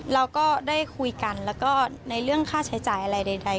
เราก็ได้คุยกันแล้วก็ในเรื่องค่าใช้จ่ายอะไรใด